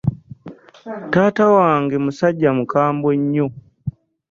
Taata wange musajja mukambwe nnyo.